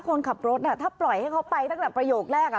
คนขับรถถ้าปล่อยให้เขาไปตั้งแต่ประโยคแรก